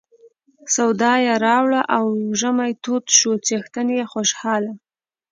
سودا یې راوړه او ژمی تود شو څښتن یې خوشاله.